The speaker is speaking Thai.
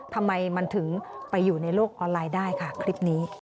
ทำไมมันถึงไปอยู่ในโลกออนไลน์ได้ค่ะคลิปนี้